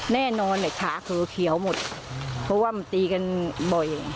แน่นอนขาคือเขียวหมดเพราะว่ามันตีกันบ่อย